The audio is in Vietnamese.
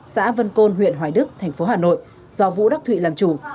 xã vân côn huyện hoài đức thành phố hà nội do vũ đắc thụy làm chủ